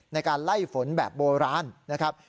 ในการไล่ฝนแบบโบราณนะครับ